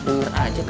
duh dur aja tuh